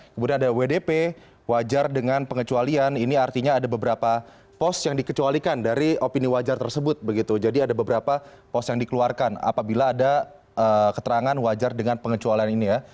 kemudian ada wdp wajar dengan pengecualian ini artinya ada beberapa pos yang dikecualikan dari opini wajar tersebut begitu jadi ada beberapa pos yang dikeluarkan apabila ada keterangan wajar dengan pengecualian ini ya